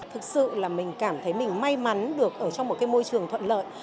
thực sự là mình cảm thấy mình may mắn được ở trong một cái môi trường thuận lợi